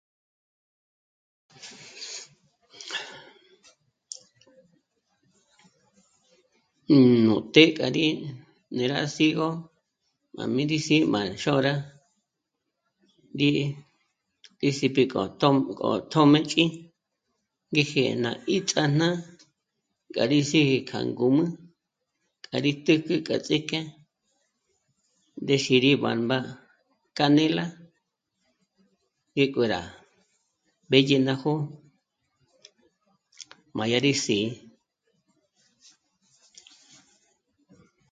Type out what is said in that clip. Nú té k'a rí né'e rá sígo mâ'a mí rí sí'i má xôra ndí dyè ngés'i p'ìk'o tö̌mgö tjö́mëch'i ngéje ná 'íts'âna ngá rí sí'i k'a ngǔmü k'a rí t'ä́jk'ä k'a ts'ik'e ndé xí rí b'âmba canela ngék'o rá mbédye ná jó'o má yá rí sǐ'i